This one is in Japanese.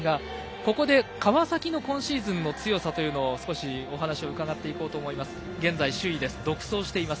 ここで川崎の今シーズンの強さを少しお話を伺っていこうと思います。